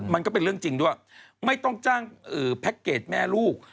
มันก็เป็นเรื่องจริงด้วยไม่ต้องจ้างแพ็คเกจแม่ลูก